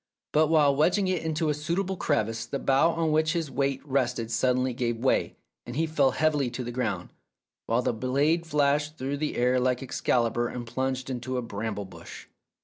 But while wedging it into a suitable crevice the bough on which his weight rested sud denly gave way, and he fell heavily to the ground, while the blade flashed through the air like Excalibur and plunged into a bramble bush.